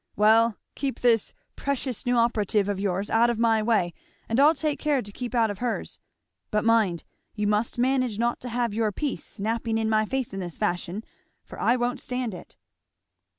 Well keep this precious new operative of yours out of my way and I'll take care to keep out of hers. But mind, you must manage not to have your piece snapping in my face in this fashion, for I won't stand it."